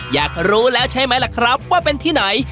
อยากรู้เล่าใช่ไหมว่าเป็นที่ไหน